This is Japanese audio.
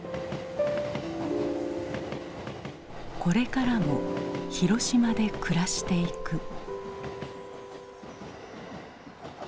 これからも広島で暮らしていく。